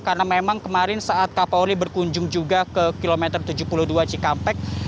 karena memang kemarin saat kapolri berkunjung juga ke km tujuh puluh dua cikampek